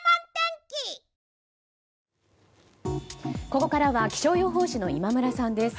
ここからは気象予報士の今村さんです。